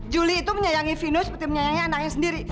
julie itu menyayangi vino seperti menyayangi anaknya sendiri